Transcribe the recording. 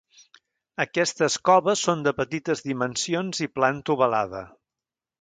Aquestes coves són de petites dimensions i planta ovalada.